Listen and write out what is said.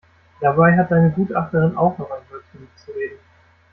Dabei hat deine Gutachterin auch noch ein Wörtchen mitzureden.